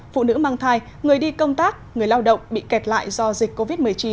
phụ nữ mang thai người đi công tác người lao động bị kẹt lại do dịch covid một mươi chín